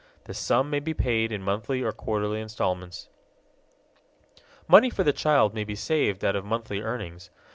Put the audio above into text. The sum may be paid in monthly or quarterly installments. Money for the child may be saved out of monthly earnings.